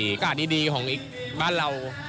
มันเป็นบรรยากาศดีของอีกบ้านเรา